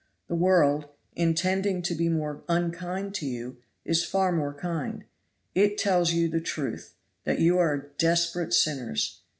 The world, intending to be more unkind to you, is far more kind; it tells you the truth that you are desperate sinners.